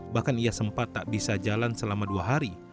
bahkan ia sempat tak bisa jalan selama dua hari